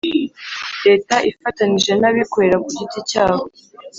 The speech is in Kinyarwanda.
leta ifatanije n'abikorera ku giti cyabo,